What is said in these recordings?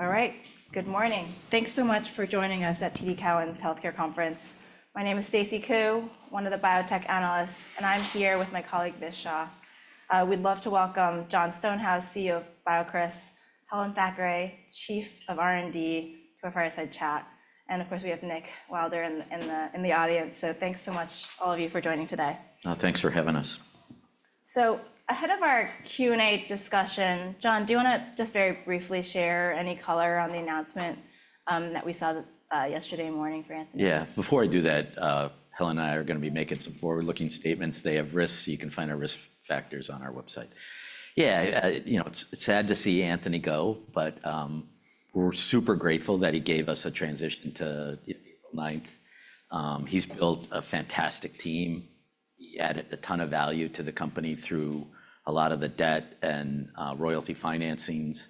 All right, good morning. Thanks so much for joining us at TD Cowen's Healthcare Conference. My name is Stacy Ku, one of the biotech analysts, and I'm here with my colleague Vish Shah. I'd love to welcome Jon Stonehouse, CEO of BioCryst, and Helen Thackray, Chief of R&D, to a fireside chat, and of course we have Nick Wilder in the audience. Thanks so much, all of you, for joining today. Thanks for having us. Ahead of our Q&A discussion, Jon, do you want to just very briefly share any color on the announcement that we saw yesterday morning for Anthony? Yeah, before I do that, Helen and I are going to be making some forward-looking statements. They have risks, so you can find our risk factors on our website. Yeah, you know, it's sad to see Anthony go, but we're super grateful that he gave us a transition to April 9th. He's built a fantastic team. He added a ton of value to the company through a lot of the debt and royalty financings.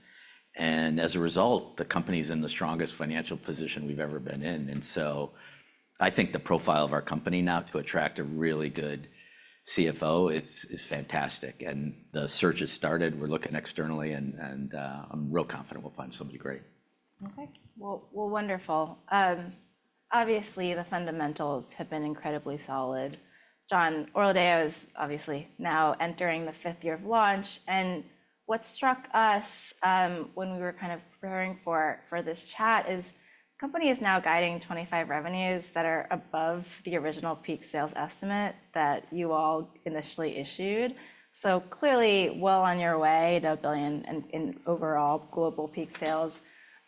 As a result, the company's in the strongest financial position we've ever been in. I think the profile of our company now to attract a really good CFO is fantastic. The search has started. We're looking externally, and I'm really confident we'll find somebody great. Okay, wonderful. Obviously, the fundamentals have been incredibly solid. Jon, Orladeyo is obviously now entering the fifth year of launch. What struck us when we were kind of preparing for this chat is the company is now guiding 2025 revenues that are above the original peak sales estimate that you all initially issued. So clearly, well on your way to a billion in overall global peak sales.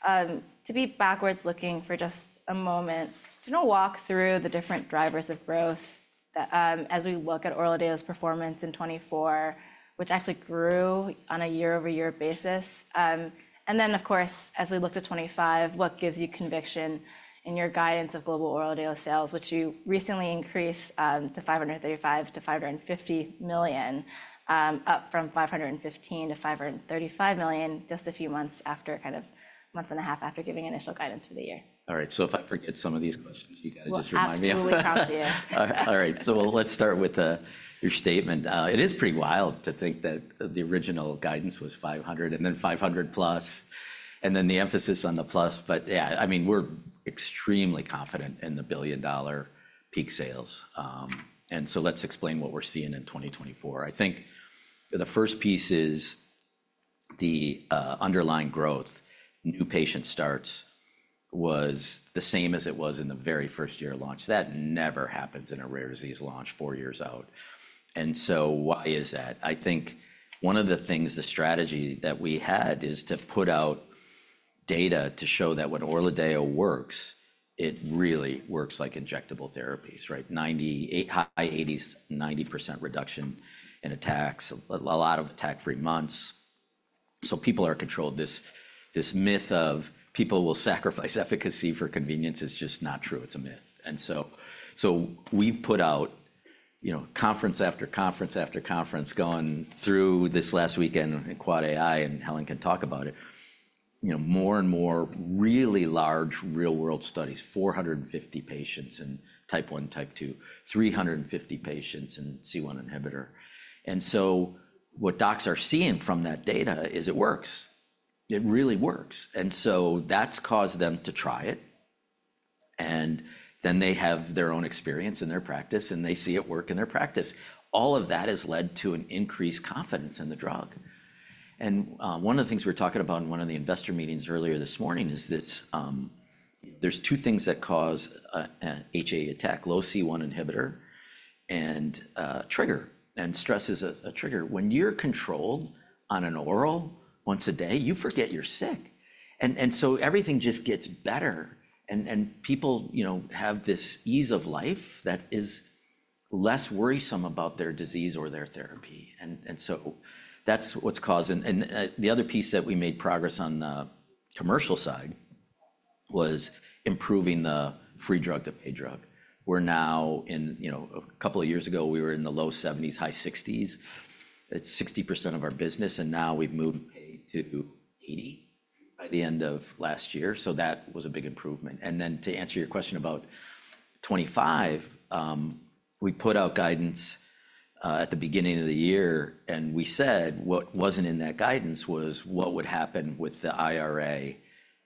To be backwards looking for just a moment, do you want to walk through the different drivers of growth as we look at Orladeyo's performance in 2024, which actually grew on a year-over-year basis? Of course, as we look to 2025, what gives you conviction in your guidance of global Orladeyo sales, which you recently increased to $535 to 550 million, up from $515 to 535 million just a few months, kind of a month and a half, after giving initial guidance for the year? All right, if I forget some of these questions, you got to just remind me of them. Absolutely, promise you. All right, so let's start with your statement. It is pretty wild to think that the original guidance was $500 million and then $500 million plus, and then the emphasis on the plus. Yeah, I mean, we're extremely confident in the billion-dollar peak sales. And so let's explain what we're seeing in 2024. I think the first piece is the underlying growth. New patient starts was the same as it was in the very first year of launch that never happens in a rare disease launch four years out. Why is that? I think one of the things, the strategy that we had, is to put out data to show that when Orladeyo works, it really works like injectable therapies, right? 98 High 80s, 90% reduction in attacks, a lot of attack-free months. So people are controlled this myth of people will sacrifice efficacy for convenience is just not true. It's a myth. So we put out conference after conference after conference, gone through this last weekend in Quad AI, and Helen can talk about it. More and more really large real-world studies, 450 patients in type 1, type 2, 350 patients in C1 inhibitor. And so what docs are seeing from that data is it works. It really works. And so that's caused them to try it. And they have their own experience in their practice, and they see it work in their practice. All of that has led to an increased confidence in the drug. One of the things we were talking about in one of the investor meetings earlier this morning is this: there's two things that cause HA attack, low C1 inhibitor, and trigger. And stress is a trigger. When you're controlled on an oral once a day, you forget you're sick. And so everything just gets better. People have this ease of life that is less worrisome about their disease or their therapy. That is what has caused it. The other piece that we made progress on the commercial side was improving the free drug to paid drug. Were now in a couple of years ago, we were in the low 70s-high 60s. It is 60% of our business. Now we have moved to 80% by the end of last year. That was a big improvement. To answer your question about 2025, we put out guidance at the beginning of the year. We said what was not in that guidance was what would happen with the IRA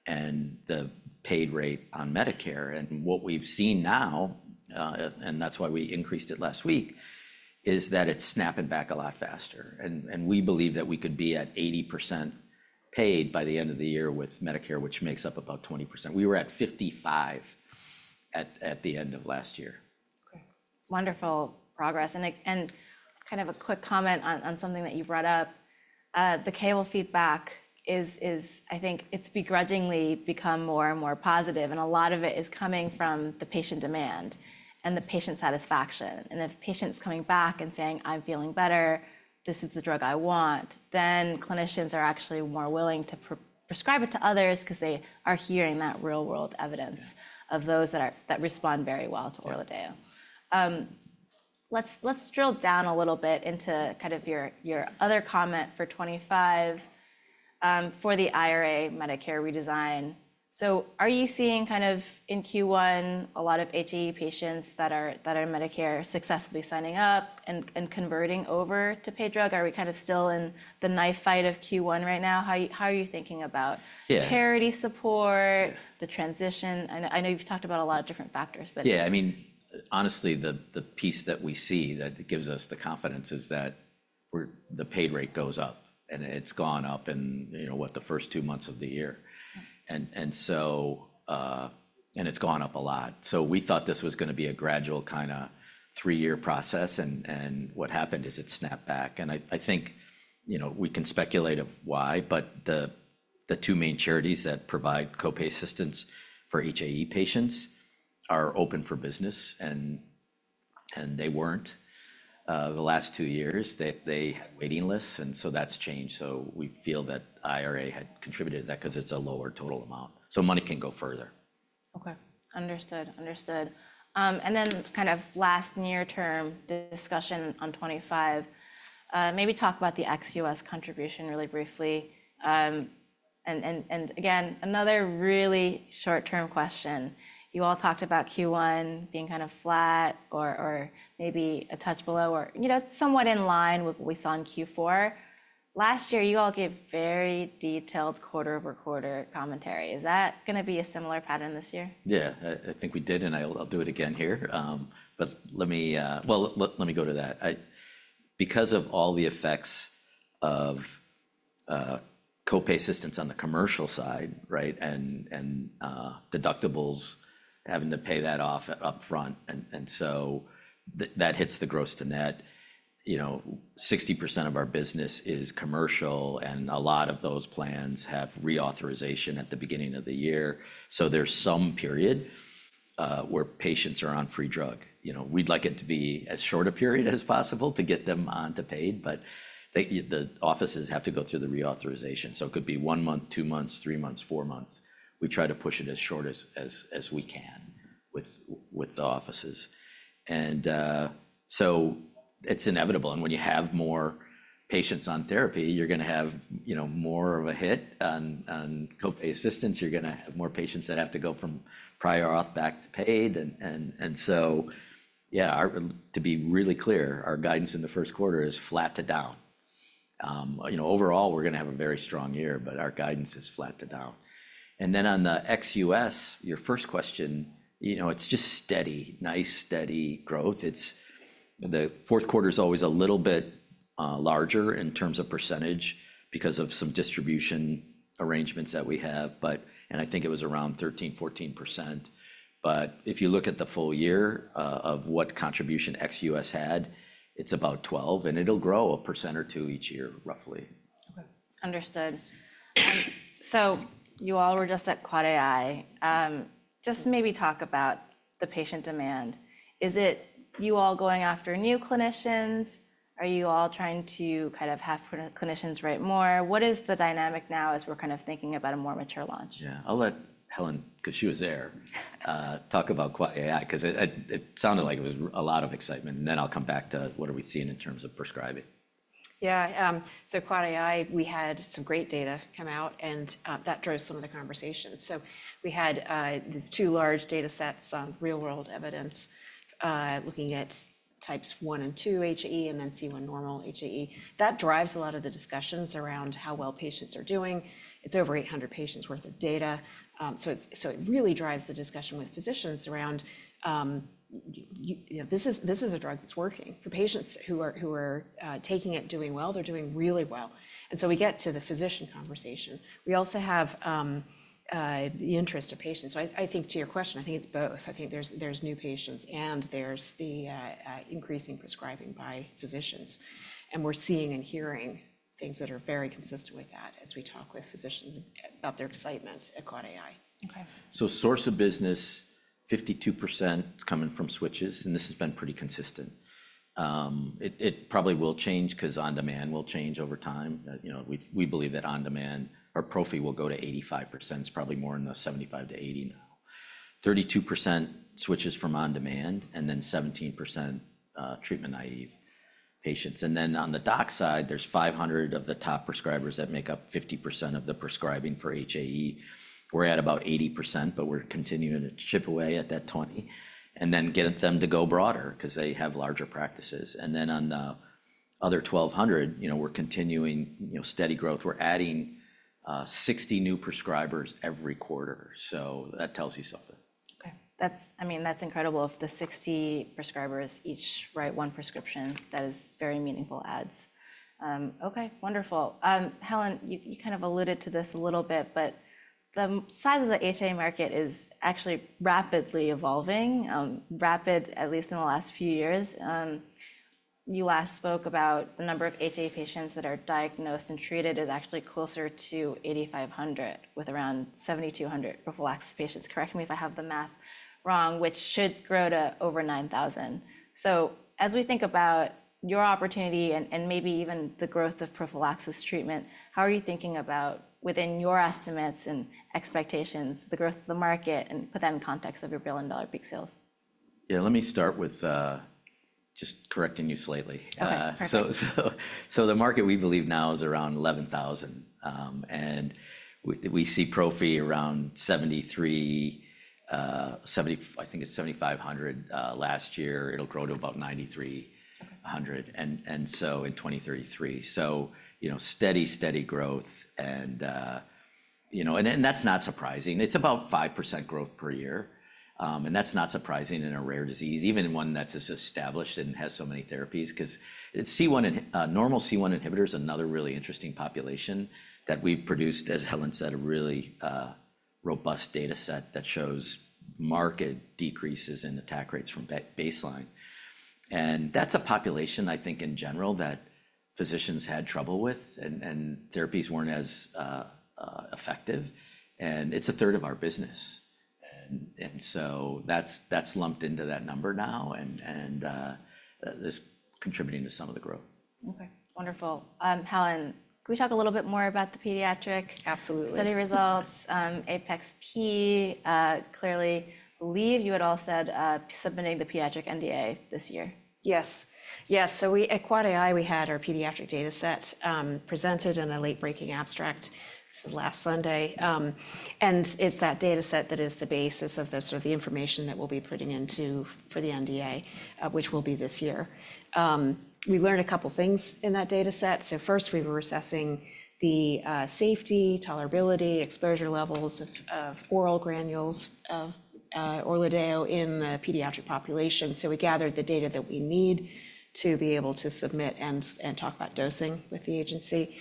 and the paid rate on Medicare. What we have seen now, and that is why we increased it last week, is that it is snapping back a lot faster. We believe that we could be at 80% paid by the end of the year with Medicare, which makes up about 20%. We were at 55% at the end of last year. Okay, wonderful progress. Kind of a quick comment on something that you brought up. The cable feedback is, I think it's begrudgingly become more and more positive. And a lot of it is coming from the patient demand and the patient satisfaction. If patients are coming back and saying, "I'm feeling better; this is the drug I want," then clinicians are actually more willing to prescribe it to others because they are hearing that real-world evidence of those that respond very well to Orladeyo. Let's drill down a little bit into kind of your other comment for 2025 for the IRA Medicare redesign. So are you seeing, kind of in Q1, a lot of HAE patients that are Medicare successfully signing up and converting over to paid drug? Are we kind of still in the knife fight of Q1 right now? How are you thinking about charity support, the transition? And I know you've talked about a lot of different factors, but. Yeah, I mean, honestly, the piece that we see that gives us the confidence is that the paid rate goes up. And it's gone up in, you know, what, the first two months of the year. And it's gone up a lot. We thought this was going to be a gradual kind of three-year process. What happened is it snapped back. I think we can speculate of why, but the two main charities that provide copay assistance for HAE patients are open for business. They weren't the last two years. They had waiting lists. That has changed. We feel that IRA had contributed to that because it's a lower total amount. Money can go further. Okay, understood, understood. Then kind of last near-term discussion on '25, maybe talk about the ex-US contribution really briefly. Again, another really short-term question. You all talked about Q1 being kind of flat or maybe a touch below or, you know, somewhat in line with what we saw in Q4. Last year, you all gave very detailed quarter-over-quarter commentary. Is that going to be a similar pattern this year? Yeah, I think we did. I'll do it again here. Let me go to that. Because of all the effects of copay assistance on the commercial side, right, and deductibles having to pay that off upfront. And so that hits the gross to net. You know, 60% of our business is commercial. And a lot of those plans have reauthorization at the beginning of the year. So there is some period where patients are on free drug. You know, we'd like it to be as short a period as possible to get them on to paid. But, the offices have to go through the reauthorization. So it could be one month, two months, three months, four months. We try to push it as short as we can with the offices. And so It's inevitable. When you have more patients on therapy, you're going to have more of a hit on copay assistance. You're going to have more patients that have to go from prior auth back to paid. To be really clear, our guidance in the Q1 is flat to down. You know, overall, we're going to have a very strong year, but our guidance is flat to down. On the ex-US, your first question, you know, it's just steady, nice steady growth. The Q4 is always a little bit larger in terms of percentage because of some distribution arrangements that we have. But, and I think it was around 13-14%. If you look at the full year of what contribution ex-US had, it's about 12%. It will grow a percent or two each year, roughly. Understood. So you all were just at Quad AI. Just maybe talk about the patient demand. Is it you all going after new clinicians? Are you all trying to kind of have clinicians write more? What is the dynamic now as we're kind of thinking about a more mature launch? Yeah, I'll let Helen, because she was there, talk about Quad AI because it sounded like it was a lot of excitement. Later will come back to what are we seen in terms of prescribing. Yeah, so Quad AI, we had some great data come out. That drove some of the conversation. So we had these two large data sets on real-world evidence looking at types 1 and 2 HAE and then C1 normal HAE. That drives a lot of the discussions around how well patients are doing. It's over 800 patients' worth of data. So it really drives the discussion with physicians around, this is a drug that's working. For patients who are taking it, doing well, they're doing really well. We get to the physician conversation. We also have the interest of patients. I think to your question, I think it's both. I think there's new patients and there's the increasing prescribing by physicians. And we're seeing and hearing things that are very consistent with that as we talk with physicians about their excitement at Quad AI. Okay. Source of business, 52% coming from switches. This has been pretty consistent. It probably will change because on-demand will change over time. You know, we believe that on-demand, our profit will go to 85%. It's probably more in the 75% to 80%. 32% switches from on-demand and then 17% treatment naive patients. On the doc side, there's 500 of the top prescribers that make up 50% of the prescribing for HAE. We're at about 80%, but we're continuing to chip away at that 20 and then get them to go broader because they have larger practices. And then on the other 1200, you know, we're continuing steady growth. We're adding 60 new prescribers every quarter. So that tells you something. Okay, that's, I mean, that's incredible. If the 60 prescribers each write one prescription, that is very meaningful ads. Okay, wonderful. Helen, you kind of alluded to this a little bit, but the size of the HAE market is actually rapidly evolving, rapid at least in the last few years. You last spoke about the number of HAE patients that are diagnosed and treated is actually closer to 8500 with around 7200 prophylaxis patients. Correct me if I have the math wrong, which should grow to over 9000. So as we think about your opportunity and maybe even the growth of prophylaxis treatment, how are you thinking about within your estimates and expectations, the growth of the market and put that in context of your billion-dollar peak sales? Yeah, let me start with just correcting you slightly. So the market we believe now is around 11000. And we see profit around 7300, I think it's 7500 last year. It'll grow to about 9300 and so in 2033. So you know, steady, steady growth. and you know, that's not surprising. It's about 5% growth per year. That's not surprising in a rare disease, even one that's established and has so many therapies because C1 and normal C1 inhibitor is another really interesting population that we've produced, as Helen said, a really robust data set that shows market decreases in attack rates from baseline. And that's a population, I think in general that, physicians had trouble with and therapies weren't as effective. And It's a third of our business. So that's lumped into that number now. And that is contributing to some of the growth. Okay, wonderful. Helen, can we talk a little bit more about the pediatric study results, APeX-P? Clearly, believe you all said submitting the pediatric NDA this year. Yes, yes. At Quad AI, we had our pediatric data set presented in a late-breaking abstract last Sunday. And it's that data set that is the basis of the sort of the information that we will be putting into for the NDA, which will be this year. We learned a couple of things in that data set. First, we were assessing the safety, tolerability, exposure levels of oral granules of Orladeyo in the pediatric population. We gathered the data that we need to be able to submit and talk about dosing with the agency.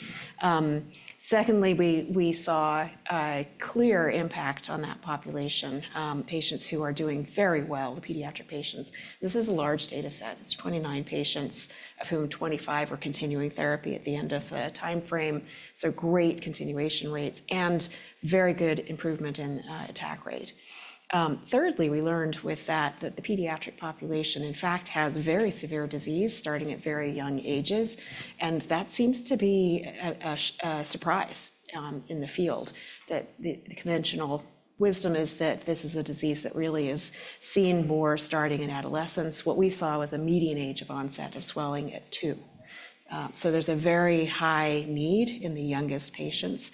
Secondly, we saw a clear impact on that population, patients who are doing very well, the pediatric patients. This is a large data set. It is 29 patients, of whom 25 are continuing therapy at the end of the time frame. Great continuation rates and very good improvement in attack rate. Thirdly, we learned with that that the pediatric population, in fact, has very severe disease starting at very young ages. That seems to be a surprise in the field. The conventional wisdom is that this is a disease that really is seen more starting in adolescence. What we saw was a median age of onset of swelling at two. There is a very high need in the youngest patients.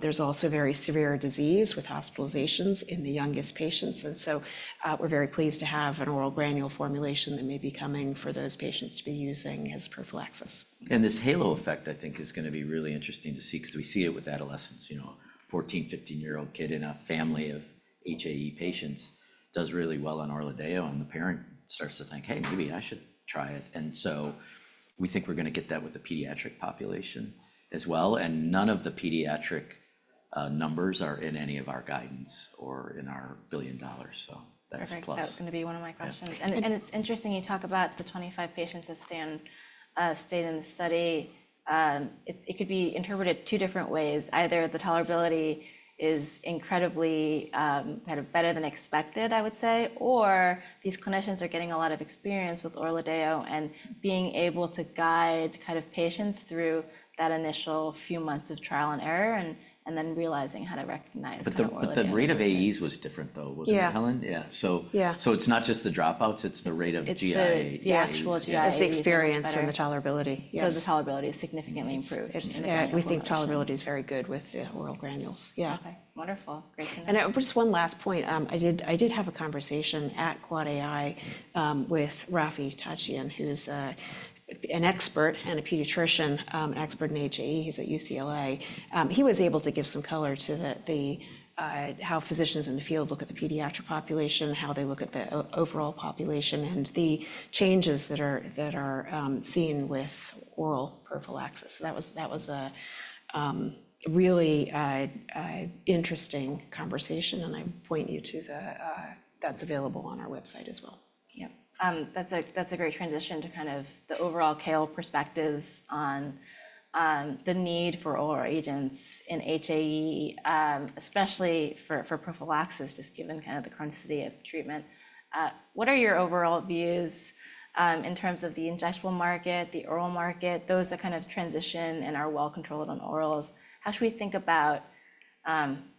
There is also very severe disease with hospitalizations in the youngest patients. We are very pleased to have an oral granule formulation that may be coming for those patients to be using as prophylaxis. In this halo effect, I think, is going to be really interesting to see because we see it with adolescents. You know, a 14, 15-year-old kid in a family of HAE patients does really well on Orladeyo. The parent starts to think, "Hey, maybe I should try it." We think we're going to get that with the pediatric population as well. None of the pediatric numbers are in any of our guidance or in our billion dollars. That's a plus. That's going to be one of my questions. It's interesting you talk about the 25 patients that stayed in the study. It could be interpreted two different ways. Either the tolerability is incredibly kind of better than expected, I would say, or these clinicians are getting a lot of experience with Orladeyo and being able to guide kind of patients through that initial few months of trial and error and then realizing how to recognize the. The rate of AEs was different, though, was it, Helen? Yeah. It's not just the dropouts, it's the rate of GI AEs. It's the actual GI AEs. It's the experience and the tolerability. The tolerability is significantly improved. We think tolerability is very good with the oral granules. Yeah. Okay, wonderful. Just one last point. I did have a conversation at Quad AI with Raffi Tachdjian, who's an expert and a pediatrician expert in HAE. He's at UCLA. He was able to give some color to how physicians in the field look at the pediatric population, how they look at the overall population, and the changes that are seen with oral prophylaxis. That was a really interesting conversation. I point you to that's available on our website as well. Yeah, that's a great transition to kind of the overall KOL perspectives on the need for oral agents in HAE, especially for prophylaxis, just given kind of the chronicity of treatment. What are your overall views in terms of the injectable market, the oral market, those that kind of transition and are well controlled on orals? How should we think about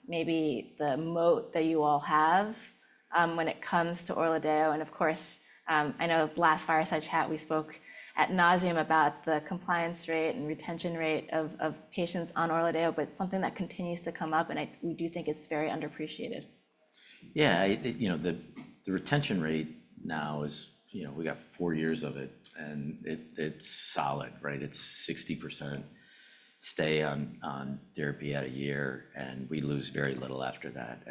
maybe the moat that you all have when it comes to Orladeyo? I know last fireside chat, we spoke at ad nauseam about the compliance rate and retention rate of patients on Orladeyo, but it's something that continues to come up. We do think it's very underappreciated. Yeah, you know, the retention rate now is, you know, we got four years of it. And it's solid, right? It's 60% stay on therapy at a year. And we lose very little after that.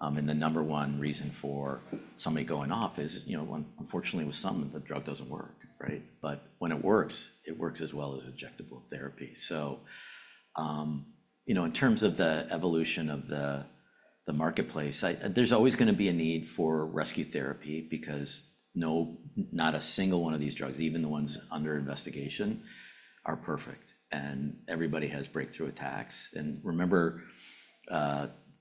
The number one reason for somebody going off is, you know, unfortunately, with some, the drug doesn't work, right? When it works, it works as well as injectable therapy. You know, in terms of the evolution of the marketplace, there's always going to be a need for rescue therapy because not a single one of these drugs, even the ones under investigation, are perfect. Everybody has breakthrough attacks. Remember,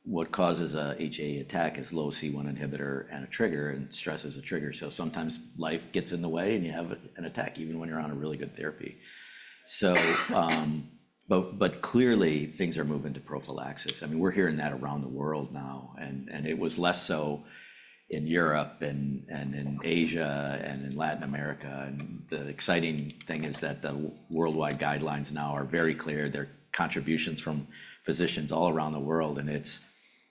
what causes an HAE attack is low C1 inhibitor and a trigger, and stress is a trigger. Sometimes life gets in the way and you have an attack, even when you're on a really good therapy. Clearly, things are moving to prophylaxis. I mean, we're hearing that around the world now. It was less so in Europe and in Asia and in Latin America. The exciting thing is that the worldwide guidelines now are very clear. There are contributions from physicians all around the world.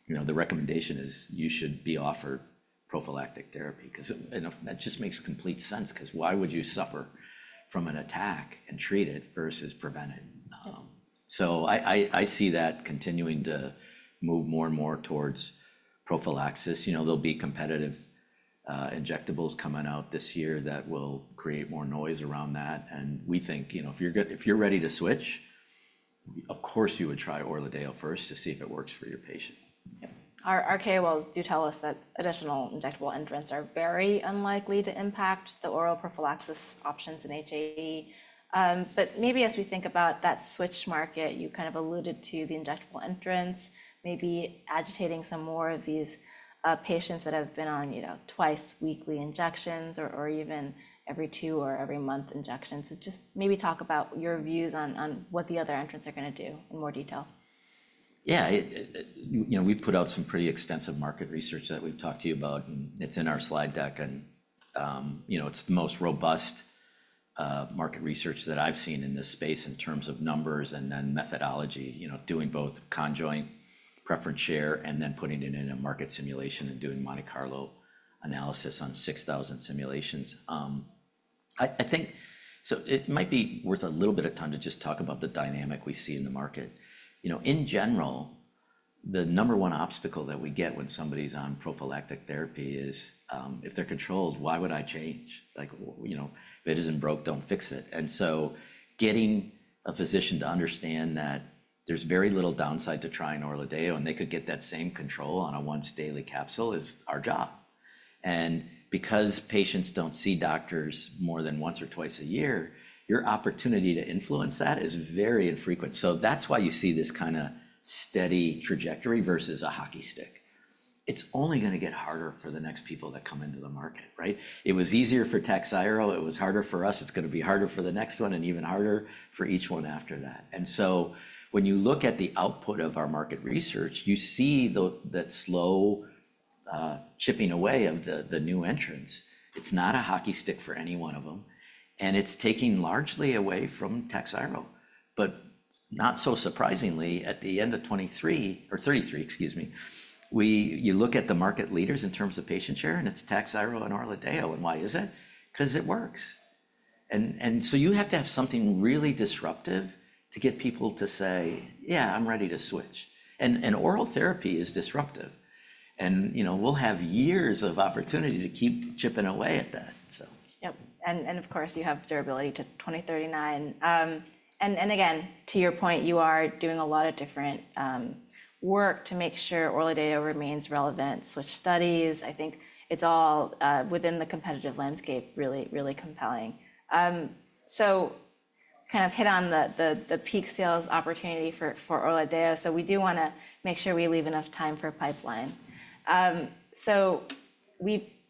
The recommendation is you should be offered prophylactic therapy because that just makes complete sense because why would you suffer from an attack and treat it versus prevent it? I see that continuing to move more and more towards prophylaxis. You know, there'll be competitive injectables coming out this year that will create more noise around that. We think, you know, if you're ready to switch, of course, you would try Orladeyo first to see if it works for your patient. Our KOLs do tell us that additional injectable entrants are very unlikely to impact the oral prophylaxis options in HAE. Maybe as we think about that switch market, you kind of alluded to the injectable entrants, maybe agitating some more of these patients that have been on twice weekly injections or even every two or every month injections. Just maybe talk about your views on what the other entrants are going to do in more detail. Yeah, you know, we put out some pretty extensive market research that we've talked to you about. And it's in our slide deck. You know, it's the most robust market research that I've seen in this space in terms of numbers and then methodology, you know, doing both conjoint preference share and then putting it in a market simulation and doing Monte Carlo analysis on 6,000 simulations. I think it might be worth a little bit of time to just talk about the dynamic we see in the market. You know, in general, the number one obstacle that we get when somebody's on prophylactic therapy is if they're controlled, why would I change? Like, you know, if it isn't broke, don't fix it. Getting a physician to understand that there's very little downside to trying Orladeyo and they could get that same control on a once daily capsule is our job. Because patients do not see doctors more than once or twice a year, your opportunity to influence that is very infrequent. That is why you see this kind of steady trajectory versus a hockey stick. It is only going to get harder for the next people that come into the market, right? It was easier for Takhzyro. It was harder for us. It is going to be harder for the next one and even harder for each one after that. When you look at the output of our market research, you see that slow chipping away of the new entrants. It is not a hockey stick for any one of them. It is taking largely away from Takhzyro. Not so surprisingly, at the end of 2023, you look at the market leaders in terms of patient share and it's Takhzyro and Orladeyo. And why is it? Because it works. You have to have something really disruptive to get people to say, "Yeah, I'm ready to switch." Oral therapy is disruptive. You know, we'll have years of opportunity to keep chipping away at that. Yep. Of course, you have durability to 2039. Again, to your point, you are doing a lot of different work to make sure Orladeyo remains relevant. Switch studies, I think it's all within the competitive landscape, really, really compelling. Kind of hit on the peak sales opportunity for Orladeyo. We do want to make sure we leave enough time for pipeline.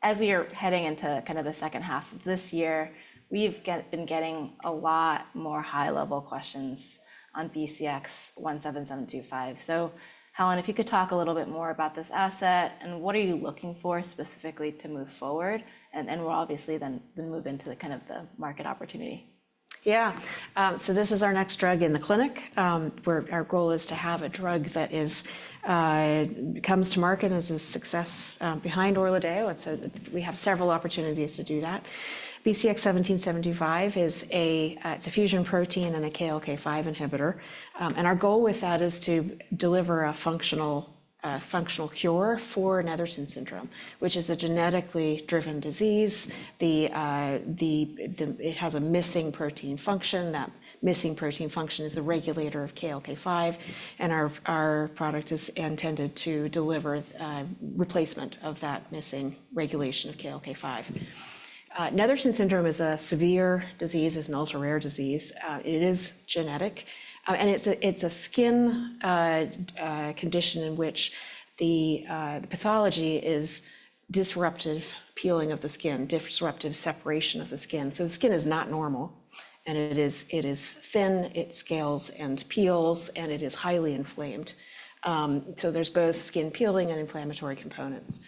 As we are heading into kind of the second half of this year, we've been getting a lot more high-level questions on BCX17725. Helen, if you could talk a little bit more about this asset and what are you looking for specifically to move forward? We'll obviously then move into kind of the market opportunity. Yeah, so this is our next drug in the clinic. Our goal is to have a drug that comes to market as a success behind Orladeyo. We have several opportunities to do that. BCX17725 is a fusion protein and a KLK5 inhibitor. Our goal with that is to deliver a functional cure for Netherton syndrome, which is a genetically driven disease. It has a missing protein function. That missing protein function is the regulator of KLK5. Our product is intended to deliver replacement of that missing regulation of KLK5. Netherton syndrome is a severe disease. It is an ultra-rare disease. It is genetic. It is a skin condition in which the pathology is disruptive peeling of the skin, disruptive separation of the skin. The skin is not normal. It is thin, it scales and peels, and it is highly inflamed. There is both skin peeling and inflammatory components.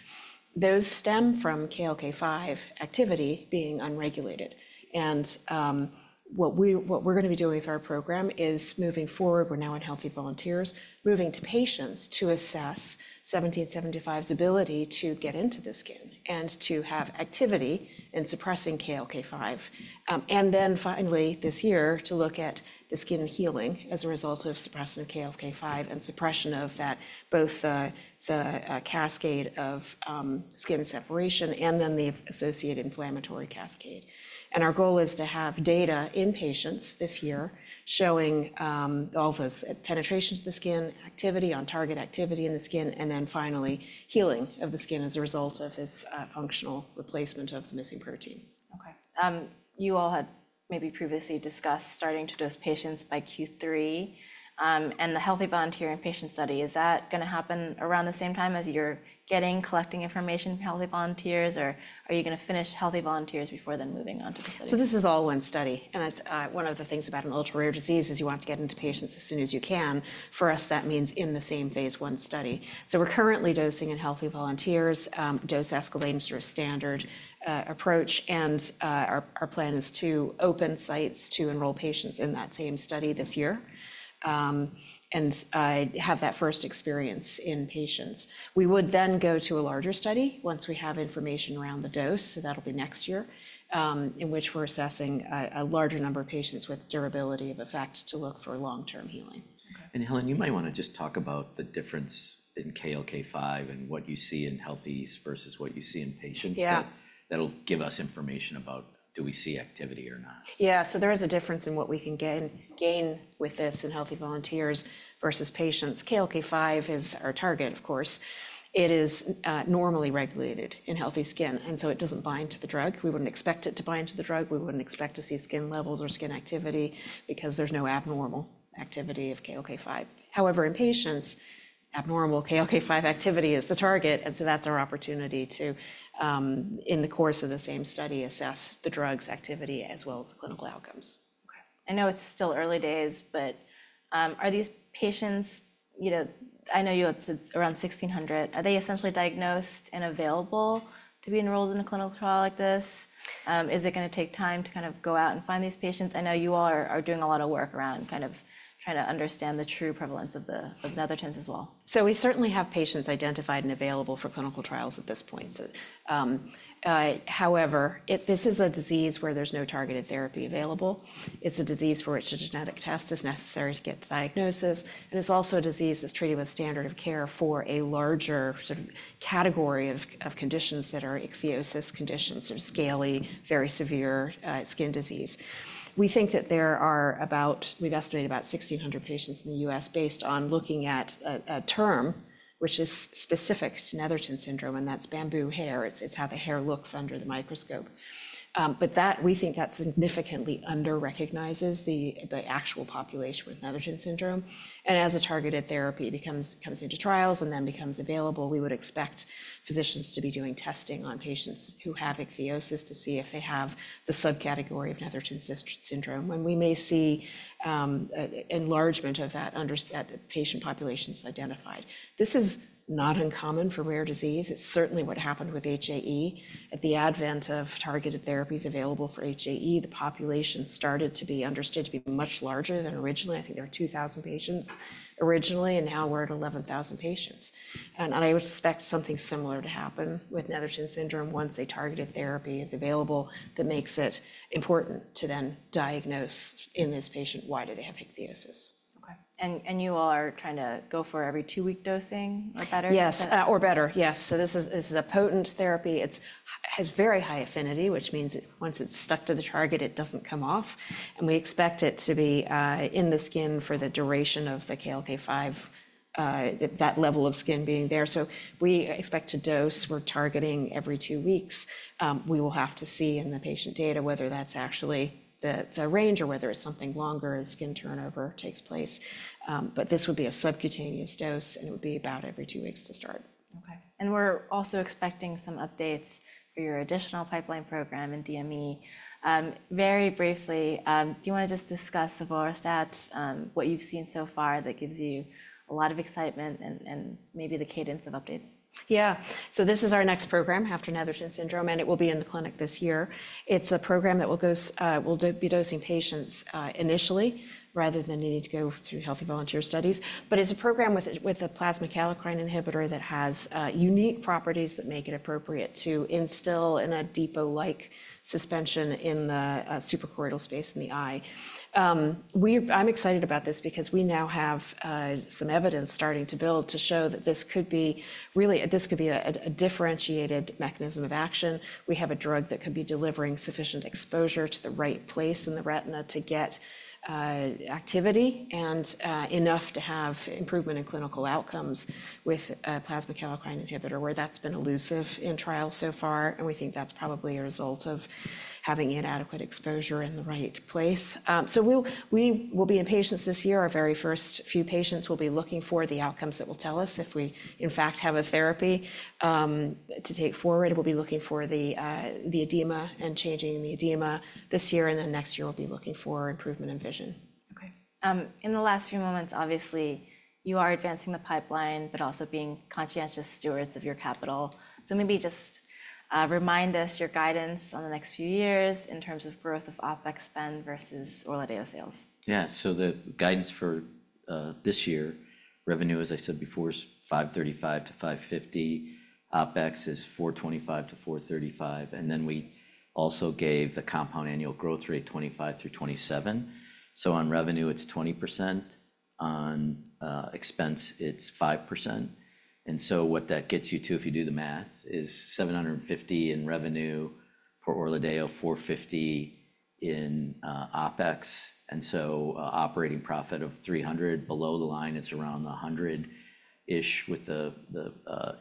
Those stem from KLK5 activity being unregulated. What we are going to be doing with our program is moving forward. We are now in Healthy Volunteers, moving to patients to assess 17725's ability to get into the skin and to have activity in suppressing KLK5. Finally this year, to look at the skin healing as a result of suppression of KLK5 and suppression of that, both the cascade of skin separation and then the associated inflammatory cascade. Our goal is to have data in patients this year showing all those penetrations of the skin, activity on target activity in the skin, and then finally healing of the skin as a result of this functional replacement of the missing protein. Okay. You all had maybe previously discussed starting to dose patients by Q3. And the Healthy Volunteer and patient study, is that going to happen around the same time as you're getting, collecting information from Healthy Volunteers? Or are you going to finish Healthy Volunteers before then moving on to the study? This is all one study. One of the things about an ultra-rare disease is you want to get into patients as soon as you can. For us, that means in the same phase one study. We're currently dosing in Healthy Volunteers, dose escalating through a standard approach. Our plan is to open sites to enroll patients in that same study this year and have that first experience in patients. We would then go to a larger study once we have information around the dose. That will be next year, in which we're assessing a larger number of patients with durability of effect to look for long-term healing. Helen, you might want to just talk about the difference in KLK5 and what you see in healthy's versus what you see in patients. That'll give us information about do we see activity or not. Yeah, so there is a difference in what we can gain with this in Healthy Volunteers versus patients. KLK5 is our target, of course. It is normally regulated in healthy skin. And so it does not bind to the drug. We would not expect it to bind to the drug. We would not expect to see skin levels or skin activity because there is no abnormal activity of KLK5. However, in patients, abnormal KLK5 activity is the target. And so that is our opportunity to, in the course of the same study, assess the drug's activity as well as the clinical outcomes. Okay. I know it's still early days, but are these patients, you know, I know you said around 1,600. Are they essentially diagnosed and available to be enrolled in a clinical trial like this? Is it going to take time to kind of go out and find these patients? I know you all are doing a lot of work around kind of trying to understand the true prevalence of the Nethertons as well. We certainly have patients identified and available for clinical trials at this point. However, this is a disease where there's no targeted therapy available. It's a disease for which the genetic test is necessary to get diagnosis. It's also a disease that's treated with standard of care for a larger sort of category of conditions that are ichthyosis conditions, sort of scaly, very severe skin disease. We think that there are about, we've estimated about 1,600 patients in the US based on looking at a term, which is specific to Netherton syndrome. That's bamboo hair. It's how the hair looks under the microscope. We think that significantly under-recognizes the actual population with Netherton syndrome. As a targeted therapy comes into trials and then becomes available, we would expect physicians to be doing testing on patients who have ichthyosis to see if they have the subcategory of Netherton syndrome, when we may see enlargement of that patient population identified. This is not uncommon for rare disease. It's certainly what happened with HAE. At the advent of targeted therapies available for HAE, the population started to be understood to be much larger than originally. I think there were 2,000 patients originally. Now we're at 11,000 patients. I would expect something similar to happen with Netherton syndrome once a targeted therapy is available that makes it important to then diagnose in this patient, why do they have ichthyosis. Okay. You all are trying to go for every two-week dosing or better? Yes, or better. Yes. This is a potent therapy. It has very high affinity, which means once it's stuck to the target, it doesn't come off. We expect it to be in the skin for the duration of the KLK5, that level of skin being there. We expect to dose. We're targeting every two weeks. We will have to see in the patient data whether that's actually the range or whether it's something longer as skin turnover takes place. This would be a subcutaneous dose. It would be about every two weeks to start. Okay. We are also expecting some updates for your additional pipeline program in DME. Very briefly, do you want to just discuss the avoralstat, what you've seen so far that gives you a lot of excitement and maybe the cadence of updates? Yeah. This is our next program after Netherton syndrome. It will be in the clinic this year. It's a program that will be dosing patients initially rather than needing to go through Healthy Volunteer studies. It's a program with a plasma kallikrein inhibitor that has unique properties that make it appropriate to instill in a depot-like suspension in the suprachoroidal space in the eye. I'm excited about this because we now have some evidence starting to build to show that this could be really, this could be a differentiated mechanism of action. We have a drug that could be delivering sufficient exposure to the right place in the retina to get activity and enough to have improvement in clinical outcomes with a plasma kallikrein inhibitor where that's been elusive in trials so far. We think that's probably a result of having inadequate exposure in the right place. We will be in patients this year. Our very first few patients will be looking for the outcomes that will tell us if we in fact have a therapy to take forward. We'll be looking for the edema and changing in the edema this year. Next year, we'll be looking for improvement in vision. Okay. In the last few moments, obviously, you are advancing the pipeline, but also being conscientious stewards of your capital. Maybe just remind us your guidance on the next few years in terms of growth of OPEX spend versus Orladeyo sales. Yeah. So the guidance for this year revenue, as I said before, is $535 to 550. OPEX is $425 to 435. And then we also gave the compound annual growth rate 2025 through 2027. So on revenue, it's 20%. On expense it's 5%. And so what that gets you to, if you do the math is $750 in revenue for Orladeyo, $450 in OPEX. And so operating profit of $300. Below the line, it's around $100 is with the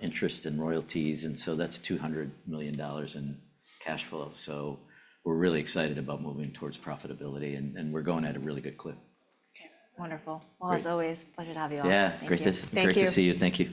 interest and royalties. And so that's $200 million in cash flow. So we're really excited about moving towards profitability. And we're going at a really good clip. Okay. Wonderful. As always, pleasure to have you all. Yeah. Great to see you. Thank you.